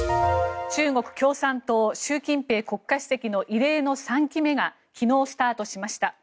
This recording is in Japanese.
中国共産党、習近平国家主席の異例の３期目が昨日スタートしました。